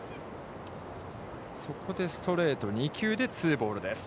そこでストレート、２球でツーボールです。